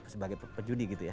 sebagai pejudi gitu ya